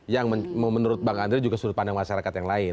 yang menurut bang andre juga sudut pandang masyarakat yang lain